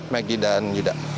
maggie dan yuda